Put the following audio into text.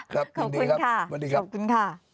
ขอบคุณค่ะขอบคุณค่ะ